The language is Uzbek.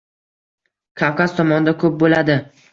Kavkaz tomonda ko‘p bo‘ladi.